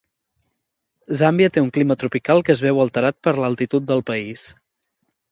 Zàmbia té un clima tropical que es veu alterat per l'altitud del país.